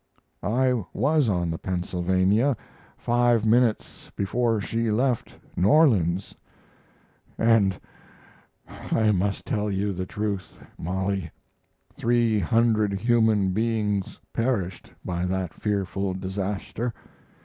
I was on the Pennsylvania five minutes before she left N. Orleans, and I must tell you the truth, Mollie three hundred human beings perished by that fearful disaster.